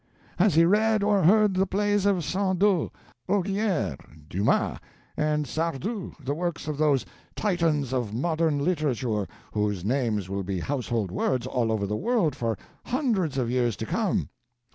Has he read or heard the plays of Sandeau, Augier, Dumas, and Sardou, the works of those Titans of modern literature, whose names will be household words all over the world for hundreds of years to come?